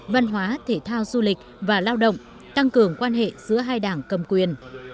văn hóa thể thao du lịch và lao động tăng cường quan hệ giữa hai đảng cầm quyền